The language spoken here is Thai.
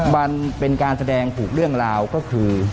มันเป็นการแสดงถูกเรื่องราวก็คือ